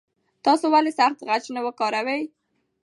تاسو ولې سخت خج نه وکاروئ؟